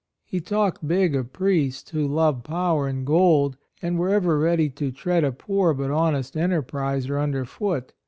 He "talked big" of priests who loved power and gold, and were ever ready to tread a poor but honest enterpriser underfoot.